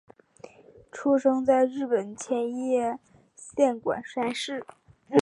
出生在日本千叶县馆山市。